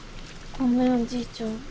ごめんおじいちゃん。